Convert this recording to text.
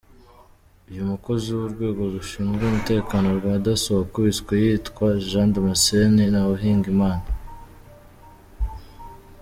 Uyu mukozi w’urwego rushinzwe umutekano rwa Dasso wakubiswe yitwa Jean Damascene Ntawuhigimana.